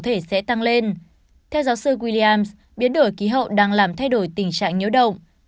thể sẽ tăng lên theo giáo sư williams biến đổi khí hậu đang làm thay đổi tình trạng nhiễu động